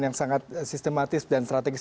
yang sangat sistematis dan strategis